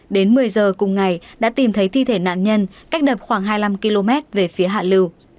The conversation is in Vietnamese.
đến một mươi giờ cùng ngày đã tìm thấy thi thể nạn nhân cách đập khoảng hai mươi năm km về phía hạ lưu